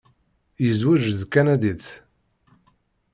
Yezweǧ d tkanadit.